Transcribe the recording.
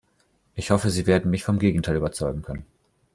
Ich hoffe, Sie werden mich vom Gegenteil überzeugen können.